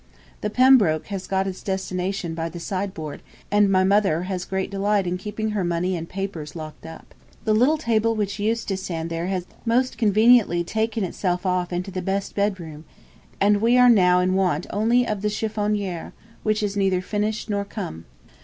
The Pembroke has got its destination by the sideboard, and my mother has great delight in keeping her money and papers locked up. The little table which used to stand there has most conveniently taken itself off into the best bedroom; and we are now in want only of the chiffonniere, which is neither finished nor come.